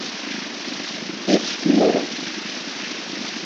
Geçmiyorum.